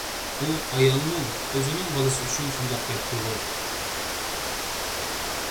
ئۇ ئايالمۇ ئۆزىنىڭ بالىسى ئۈچۈن شۇنداق دەپتىغۇ؟